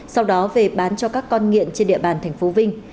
sau đó về bán cho các con nghiện trên địa bàn tp vinh